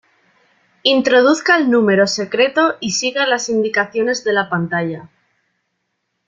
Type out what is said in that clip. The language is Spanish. Introduzca el número secreto y siga las indicaciones de la pantalla.